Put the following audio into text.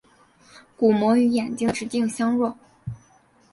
鼓膜与眼睛的直径相若。